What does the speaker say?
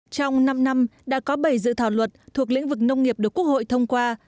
trong năm năm đã có bảy dự thảo luật thuộc lĩnh vực nông nghiệp được quốc hội thông qua